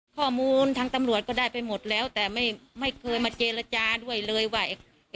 ข้อมูลทางตำรวจก็ได้ไปหมดแล้วแต่ไม่เคยมาเจรจาด้วยเลยว่า